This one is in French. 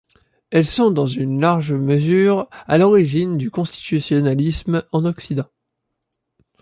Elles sont dans une large mesure à l'origine du constitutionnalisme en Occident.